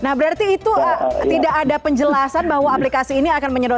nah berarti itu tidak ada penjelasan bahwa aplikasi ini akan menyedot